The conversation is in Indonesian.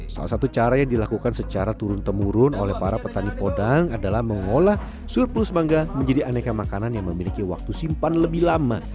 salah satu cara yang dilakukan secara turun temurun oleh para petani podang adalah mengolah surplus bangga menjadi aneka makanan yang memiliki waktu simpan lebih lama